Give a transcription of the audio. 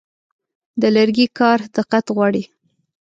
د لرګي کار دقت غواړي.